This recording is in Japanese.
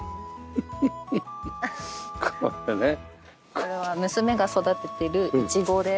これは娘が育ててるイチゴで。